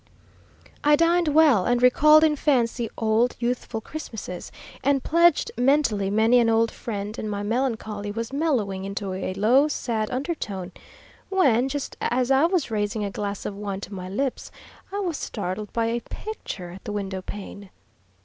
"I dined well, and recalled in fancy old, youthful Christmases, and pledged mentally many an old friend, and my melancholy was mellowing into a low, sad undertone, when, just as I was raising a glass of wine to my lips, I was startled by a picture at the windowpane.